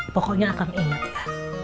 pokoknya akang inget ya